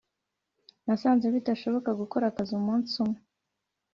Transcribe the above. nasanze bidashoboka gukora akazi mumunsi umwe